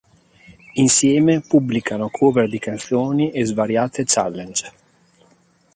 Insieme pubblicano cover di canzoni e svariate challenge.